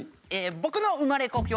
僕の生まれ故郷